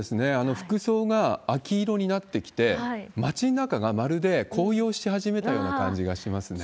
服装が秋色になってきて、街の中がまるで紅葉し始めたような感じがしますね。